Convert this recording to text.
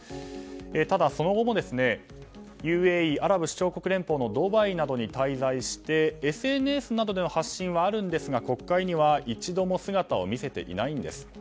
ただ、その後もＵＡＥ・アラブ首長国連邦のドバイなどに滞在してＳＮＳなどでの発信はあるんですが国会には一度も姿を見せていないんです。